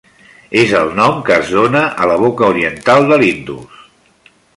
És el nom que es dóna a la boca oriental de l'Indus.